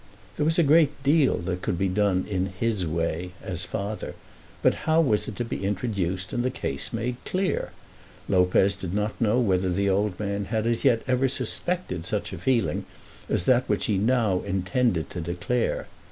There was a great deal that could be done "in his way" as father; but how was it to be introduced and the case made clear? Lopez did not know whether the old man had as yet ever suspected such a feeling as that which he now intended to declare.